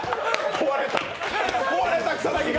壊れた、草薙が！